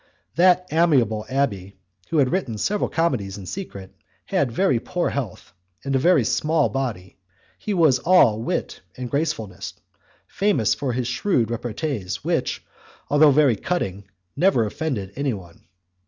That amiable abbé, who had written several comedies in secret, had very poor health and a very small body; he was all wit and gracefulness, famous for his shrewd repartees which, although very cutting, never offended anyone.